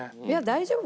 大丈夫？